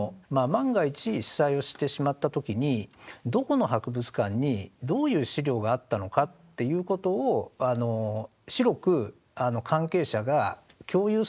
万が一被災をしてしまった時にどこの博物館にどういう資料があったのかっていうことを広く関係者が共有することによって